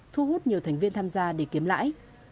thu hút nhiều thành viên tham gia để kiếm lãi